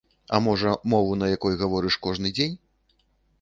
А можа, мову, на якой гаворыш кожны дзень?